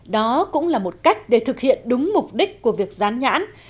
đó cũng là một cách để thực hiện đúng mục đích của việc giảm